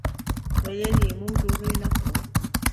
ویل یې موږ ډوډۍ نه خورو.